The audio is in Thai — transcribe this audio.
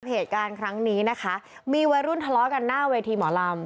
เหตุการณ์ครั้งนี้นะคะมีวัยรุ่นทะเลาะกันหน้าเวทีหมอลำ